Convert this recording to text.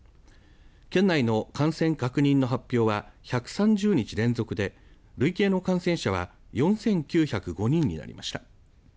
県内の感染確認の発表は１３０日連続で累計の感染者は４９０５人になりました。